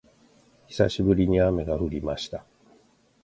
久しぶりに雨が降りました